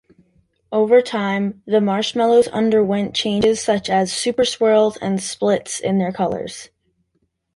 Over time, the marshmallows underwent changes such as super-swirls and splits in their colors.